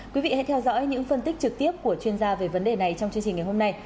quý vị hãy theo dõi những phân tích trực tiếp của chuyên gia về vấn đề này trong chương trình ngày hôm nay